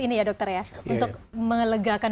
ini ya dokter ya untuk melegakan